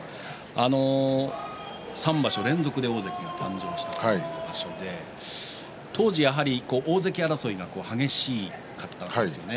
３場所連続で大関が誕生した場所で当時、大関争いが激しかったわけですよね